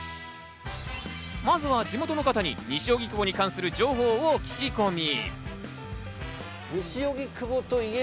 まずは地元の方に西荻窪に関する情報を聞き込み。